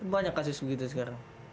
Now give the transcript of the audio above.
banyak kasus begitu sekarang